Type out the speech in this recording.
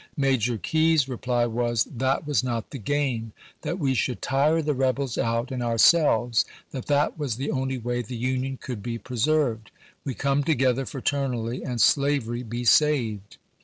Major Key's reply was, ' That was not the game ; that we should tu'e the reljels out and our selves ; that that was the only way the Union could be preserved ; we come together fraternally, and slavery be saved.'"